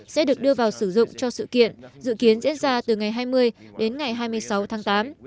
sẽ được đưa vào sử dụng cho sự kiện dự kiến diễn ra từ ngày hai mươi đến ngày hai mươi sáu tháng tám